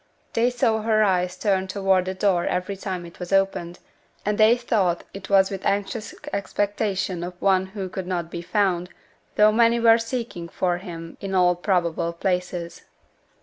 They saw her eyes turn towards the door every time it was opened, and they thought it was with anxious expectation of one who could not be found, though many were seeking for him in all probable places.